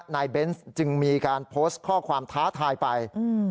เบนส์จึงมีการโพสต์ข้อความท้าทายไป